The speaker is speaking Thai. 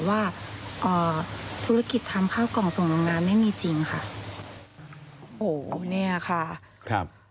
ว่าอ่าธุรกิจทำข้าวกล่องส่งโรงงานไม่มีจริงค่ะโอ้โหเนี่ยค่ะครับ